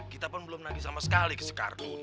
kita pun belum nage sama sekali ke si kardun